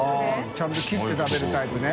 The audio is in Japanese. ちゃんと切って食べるタイプね。